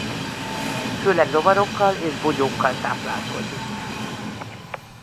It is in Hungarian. Főleg rovarokkal és bogyókkal táplálkozik.